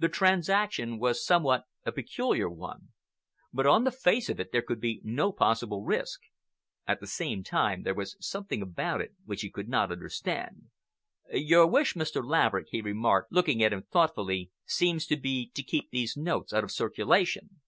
The transaction was somewhat a peculiar one, but on the face of it there could be no possible risk. At the same time, there was something about it which he could not understand. "Your wish, Mr. Laverick," he remarked, looking at him thoughtfully, "seems to be to keep these notes out of circulation."